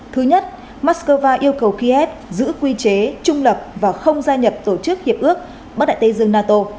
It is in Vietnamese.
thứ nhất moscow yêu cầu kiev giữ quy chế trung lập và không gia nhập tổ chức hiệp ước bắc đại tây dương nato